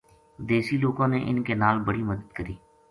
دیسی لوکاں نے اِنھ کے نال بڑی مدد کری